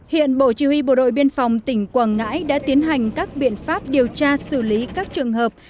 hiện bộ chỉ huy bộ đội biên phòng tỉnh quảng ngãi đã tiến hành các biện pháp điều tra xử lý các trường hợp